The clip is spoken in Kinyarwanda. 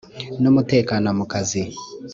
n umutekano mu kazi